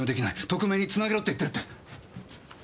特命に繋げろって言ってるって。